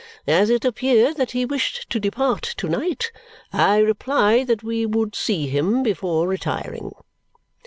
As it appeared that he wished to depart to night, I replied that we would see him before retiring."